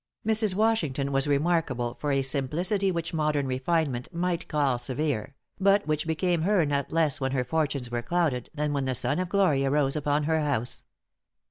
Mrs. Washington was remarkable for a simplicity which modern refinement might call severe, but which became her not less when her fortunes were clouded, than when the sun of glory arose upon her house.